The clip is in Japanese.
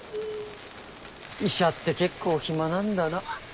医者って結構暇なんだな。